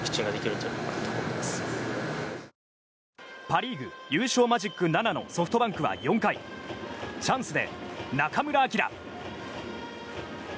パ・リーグ、優勝マジック７のソフトバンクは４回チャンスで中村晃。